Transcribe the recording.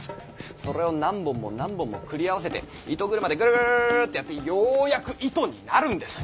それを何本も何本も繰り合わせて糸車でぐるぐるぐるっとやってようやく糸になるんです。